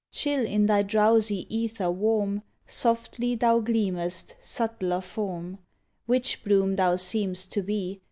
Chill, in thy drowsy aether warm. Softly thou gleamest, subtler form; Witch bloom thou seem'st to be.